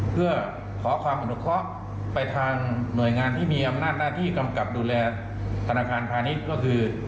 เพื่อขอความอนุเคราะห์ไปทางหน่วยงานที่มีอำนาจหน้าที่กำกับดูแลธนาคารพาณิชย์ก็คือ